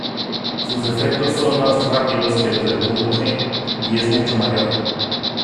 Sus efectos son más rápidos que los del Punto G y es mucho mayor.